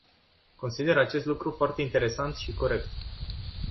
Consider acest lucru foarte interesant și corect.